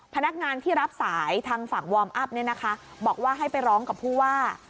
พนักงานที่รับสายทางฝั่งวอร์มอัพเนี่ยนะคะบอกว่าให้ไปร้องกับผู้ว่า